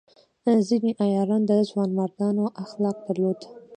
ځینې عیاران د ځوانمردانو اخلاق درلودل.